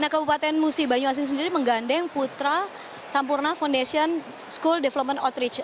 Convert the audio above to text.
kabupaten musi banyu asin sendiri menggandeng putra sampurna foundation school development outreach